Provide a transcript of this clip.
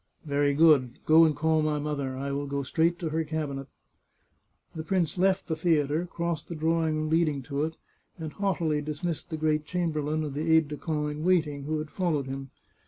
" Very good. Go and call my mother. I will go straight to her cabinet." The prince left the theatre, crossed the drawing room leading to it, and haughtily dismissed the great chamber lain and the aide de camp in waiting, who had followed him.